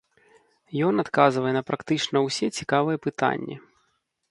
Ён адказвае на практычна ўсе цікавыя пытанні.